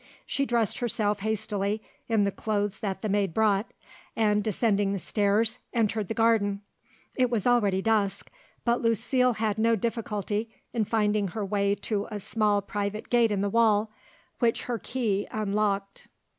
She dressed herself hastily in the clothes that the maid brought, and descending the stairs, entered the garden. It was already dusk, but Lucile had no difficulty in finding her way to a small private gate in the wall, which her key unlocked.